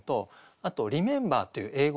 あと「リメンバー」っていう英語。